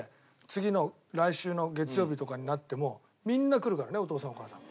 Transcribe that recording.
次の来週の月曜日とかになってもみんな来るからねお父さんお母さん。